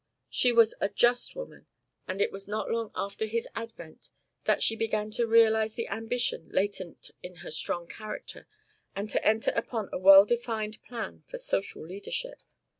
She was a just woman; and it was not long after his advent that she began to realise the ambition latent in her strong character and to enter upon a well defined plan for social leadership.